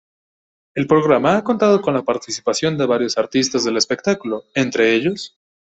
El programa ha contado con la participación de varios artistas del espectáculo, entre ellos.